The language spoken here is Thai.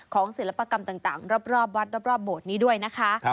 ศิลปกรรมต่างรอบวัดรอบโบสถ์นี้ด้วยนะคะ